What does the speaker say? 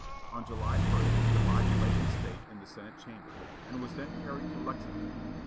On July 1 the body lay in state in the Senate chamber, and was then carried to Lexington.